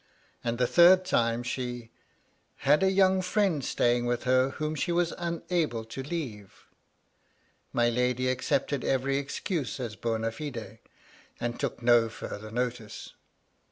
And the third time, she " had a young friend staying with her whom she was unable to leava" My lady accepted every excuse as bona fide, and took no farther notice.